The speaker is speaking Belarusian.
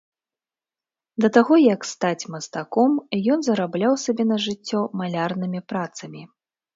Да таго, як стаць мастаком, ён зарабляў сабе на жыццё малярнымі працамі.